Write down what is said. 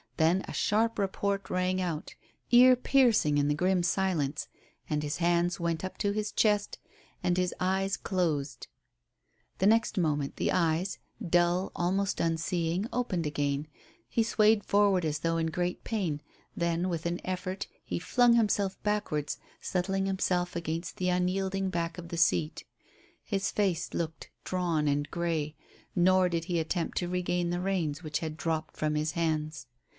Then a sharp report rang out, ear piercing in the grim silence, and his hands went up to his chest and his eyes closed. The next moment the eyes, dull, almost unseeing, opened again, he swayed forward as though in great pain, then with an effort he flung himself backwards, settling himself against the unyielding back of the seat; his face looked drawn and grey, nor did he attempt to regain the reins which had dropped from his hands.